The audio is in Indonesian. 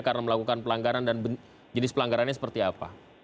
karena melakukan pelanggaran dan jenis pelanggarannya seperti apa